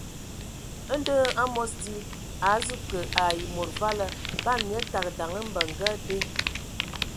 Ndɔ hm, amos di, a azu kə ai mod vala, ban nye təgə daŋ mbəŋ ngə abe.